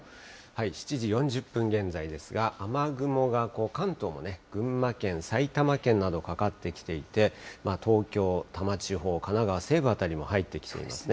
７時４０分現在ですが、雨雲が関東の群馬県、埼玉県など、かかってきていて、東京、多摩地方、神奈川西部辺りも入ってきていますね。